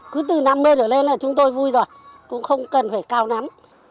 cứ từ năm mươi trở lên là chúng tôi vui rồi cũng không cần phải cao nắm